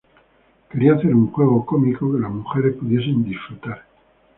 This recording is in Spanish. Quería hacer un juego 'cómico' que las mujeres pudiesen disfrutar"".